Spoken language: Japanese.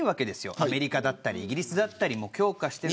アメリカだったりイギリスだったりも強化していて。